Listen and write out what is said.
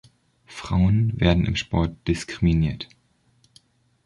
Frauen werden im Sport diskriminiert.